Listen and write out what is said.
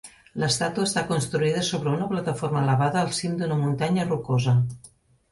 L'estàtua està construïda sobre una plataforma elevada al cim d'una muntanya rocosa.